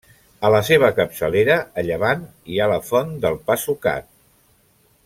A la seva capçalera, a llevant, hi ha la Font del Pa Sucat.